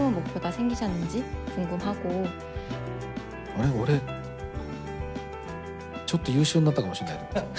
あれ俺、ちょっと優秀になったかもしれないと思った。